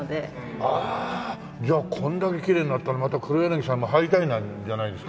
じゃあこれだけきれいになったらまた黒柳さんも入りたいんじゃないですか？